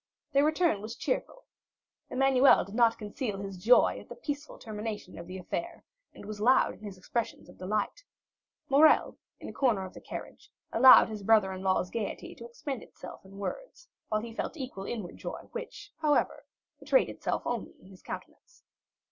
Their return was cheerful. Emmanuel did not conceal his joy at the peaceful termination of the affair, and was loud in his expressions of delight. Morrel, in a corner of the carriage, allowed his brother in law's gayety to expend itself in words, while he felt equal inward joy, which, however, betrayed itself only in his countenance.